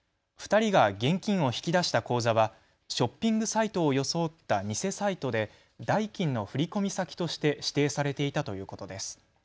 ２人が現金を引き出した口座はショッピングサイトを装った偽サイトで代金の振込先として指定されていたということです。